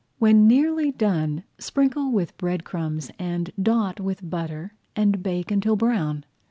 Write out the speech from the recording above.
When nearly done, sprinkle with bread crumbs and dot with butter, and bake until brown.